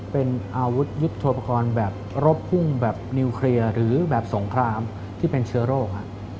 เป็นอาวุธยุทธโปรกรณ์แบบรบพุ่งแบบนิวเคลียร์หรือแบบสงครามที่เป็นเชื้อโรค